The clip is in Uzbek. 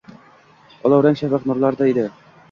Olovrang shafaq nurlarida edi